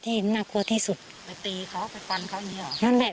เนี้ยที่น่ากลัวที่สุดไปตีเขาไปปันเขาอีกเหรอนั่นแหละ